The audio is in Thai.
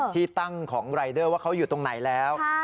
ที่ตั้งของรายเดอร์ว่าเขาอยู่ตรงไหนแล้ว